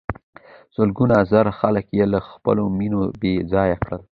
سلګونه زره خلک یې له خپلو مېنو بې ځایه کړل.